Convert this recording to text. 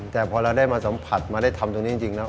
แต่พอเราได้มาสัมผัสมาได้ทำตรงนี้จริงแล้ว